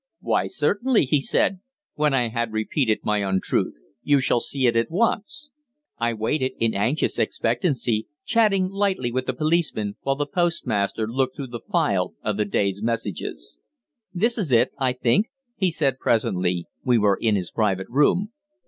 "Why, certainly," he said, when I had repeated my untruth. "You shall see it at once." I waited in anxious expectancy, chatting lightly with the policeman, while the postmaster looked through the file of the day's messages. "This is it, I think," he said presently we were in his private room.